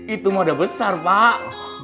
itu moda besar pak